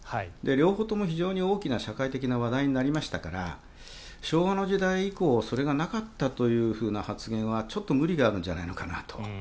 両方とも非常に大きな社会的な問題になりましたから昭和の時代以降それがなかったというふうな発言はちょっと無理があるんじゃないのかなと。